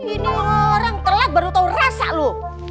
ini orang telat baru tau rasa lo